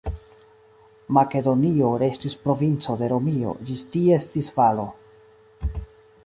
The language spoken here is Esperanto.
Makedonio restis provinco de Romio ĝis ties disfalo.